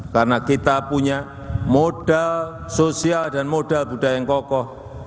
karena kita punya modal sosial dan modal budaya yang kokoh